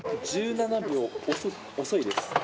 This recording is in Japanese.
１７秒遅いです。